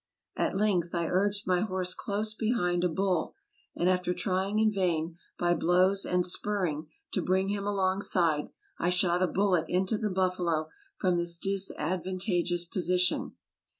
At length I urged my horse close behind a bull, and after trying in vain, by blows and spurring, to bring him alongside, I shot a bullet into the buffalo from this disadvantageous position.